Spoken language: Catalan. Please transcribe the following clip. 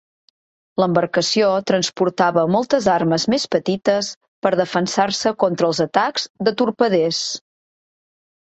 L'embarcació transportava moltes armes més petites per defensar-se contra els atacs de torpeders.